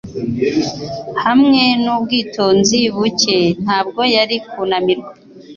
Hamwe nubwitonzi buke, ntabwo yari kunanirwa.